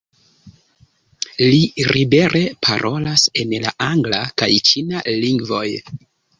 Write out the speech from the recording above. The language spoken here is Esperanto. Li libere parolas en la angla kaj ĉina lingvoj.